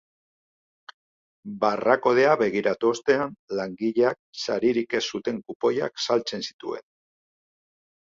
Barra-kodea begiratu ostean, langileak saririk ez zuten kupoiak saltzen zituen.